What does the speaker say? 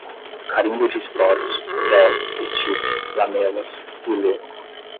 carimbo de esporos, véu, estipe, lamelas, píleo